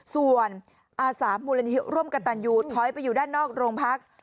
ส่วนอาสามูลนิธิร่วมกับตันยูถอยไปอยู่ด้านนอกโรงพัก